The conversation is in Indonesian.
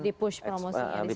dipush promosinya disitu